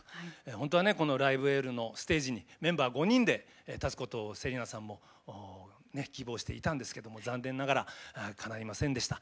本当は「ライブ・エール」のステージにメンバー５人で立つことを芹奈さんも希望していたんですけども残念ながらかないませんでした。